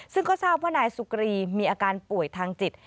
ซึ่งก็ทราบว่านายสุกรีมีอาการป่วยทางจิต